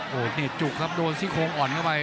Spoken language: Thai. โอ้โหนี่จุกครับโดนซี่โครงอ่อนเข้าไป